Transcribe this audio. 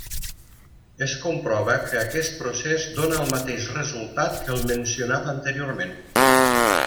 Es comprova que aquest procés dóna el mateix resultat que el mencionat anteriorment.